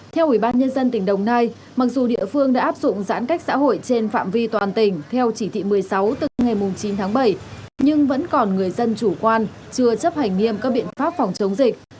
theo ủy ban nhân dân tỉnh đồng nai mặc dù địa phương đã áp dụng giãn cách xã hội trên phạm vi toàn tỉnh theo chỉ thị một mươi sáu từ ngày chín tháng bảy nhưng vẫn còn người dân chủ quan chưa chấp hành nghiêm các biện pháp phòng chống dịch